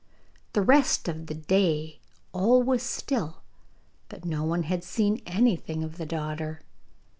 The rest of the day all was still, but no one had seen anything of the daughter.